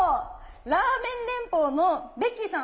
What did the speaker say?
ラーメン連邦のベッキーさん。